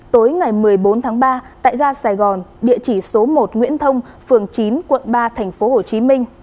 tối ngày một mươi bốn tháng ba tại ga sài gòn địa chỉ số một nguyễn thông phường chín quận ba tp hcm